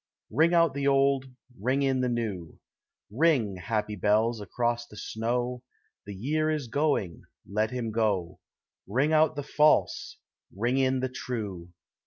Ring out the old, ring in the new, Ring, happy bells, across the snow: The year is going, let him go; Ring out the false, ring in the true.